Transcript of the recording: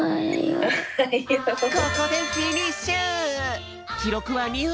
ここでフィニッシュ！